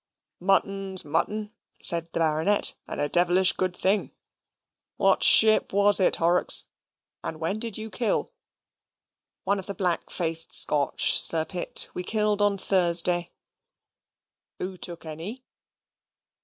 "Mutton's mutton," said the Baronet, "and a devilish good thing. What SHIP was it, Horrocks, and when did you kill?" "One of the black faced Scotch, Sir Pitt: we killed on Thursday." "Who took any?"